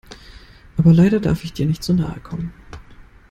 Aber leider darf ich dir nicht zu nahe kommen.